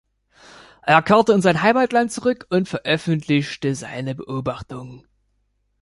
Er kehrte in sein Heimatland zurück und veröffentlichte seine Beobachtungen.